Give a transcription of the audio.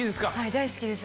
大好きです。